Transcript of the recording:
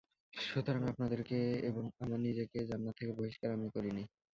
সুতরাং আপনাদেরকে এবং আমার নিজেকে জান্নাত থেকে বহিষ্কার আমি করিনি।